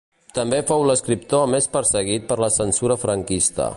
També fou l'escriptor més perseguit per la censura franquista.